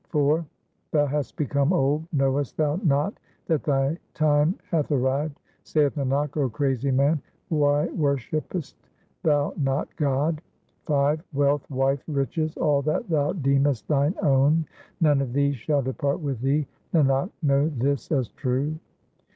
IV Thou hast become old ; knowest thou not that thy time hath arrived ? Saith Nanak, 0 crazy man, why worshippest thou not God ? y Wealth, wife, riches, all that thou deemest thine own — None of these shall depart with thee ; Nanak, know this as true.